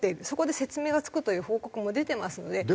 そこで説明がつくという報告も出てますので。